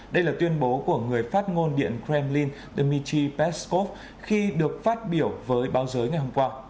đây là tuyên bố của người phát ngôn điện kremlin dmitry peskov khi được phát biểu với báo giới ngày hôm qua